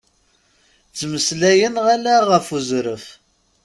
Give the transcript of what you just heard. Ttmeslayen ala ɣef uẓref.